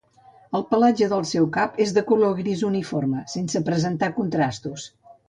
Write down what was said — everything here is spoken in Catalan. El pelatge del seu cap és de color gris uniforme, sense presentar contrastos.